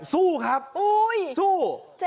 สู้ครับสู้